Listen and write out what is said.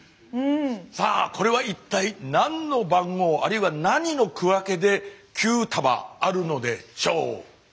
さあこれは一体何の番号あるいは何の区分けで９束あるのでしょうか？